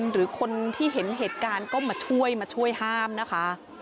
หรือคนที่เห็นเหตุการณ์ก็มาช่วยมาช่วยห้ามนะคะ